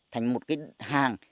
thành một cái hàng